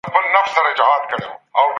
تشې وعدې د خلګو وخت ضایع کوي.